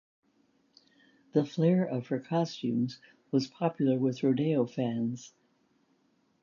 The flair of her costumes was popular with rodeo fans.